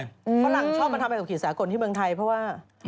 ฝรั่งชอบมาทำอะไรกับขีดสากลที่เมืองไทยเพราะว่า